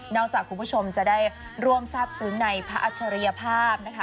จากคุณผู้ชมจะได้ร่วมทราบซึ้งในพระอัจฉริยภาพนะคะ